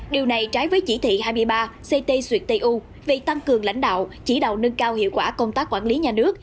điều này trái với chỉ thị hai mươi ba ct xuyệt tây u về tăng cường lãnh đạo chỉ đạo nâng cao hiệu quả công tác quản lý nhà nước